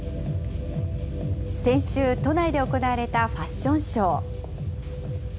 先週、都内で行われたファッションショー。